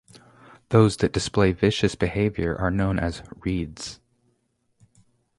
Those that display viscous behaviour are known as rheids.